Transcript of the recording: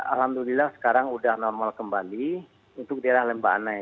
alhamdulillah sekarang sudah normal kembali untuk daerah lembah anai